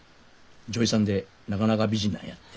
女医さんでなかなか美人なんやって。